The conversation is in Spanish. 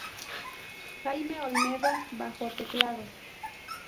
Jaime Olmedo: Bajo, teclados.